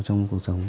trong cuộc sống